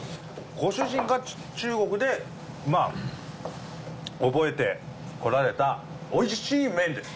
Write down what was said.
ご主人が中国でまぁ覚えて来られたオイシイ麺です！